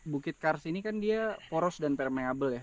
bukit kars ini kan dia poros dan permable ya